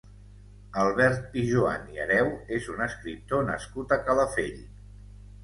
Albert Pijuan i Hereu és un escriptor nascut a Calafell.